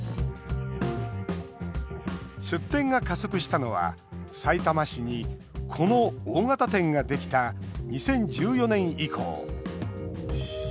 出店が加速したのはさいたま市にこの大型店ができた２０１４年以降。